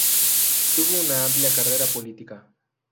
Tuvo una amplia carrera política.